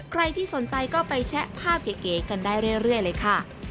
ใครที่สนใจก็ไปแชะภาพเก๋กันได้เรื่อยเลยค่ะ